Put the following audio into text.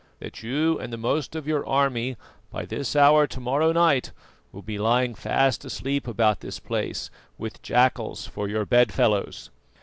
that you and the most of your army by this hour to morrow night will be lying fast asleep about this place, with jackals for your bedfellows."